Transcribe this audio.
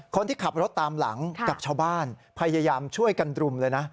คนที่ขับรถตามหลังกับชาวบ้านพยายามช่วยกันรุมเลยนะ